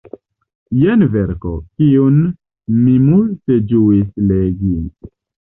Jen verko, kiun mi multe ĝuis legi.